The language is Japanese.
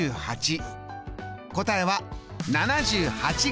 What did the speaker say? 答えは７８ｇ。